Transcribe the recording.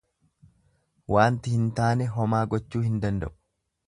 Waanti hin taane homaa gochuu hin danda'u.